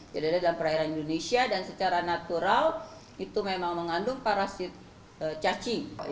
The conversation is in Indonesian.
tidak ada dalam perairan indonesia dan secara natural itu memang mengandung parasit cacing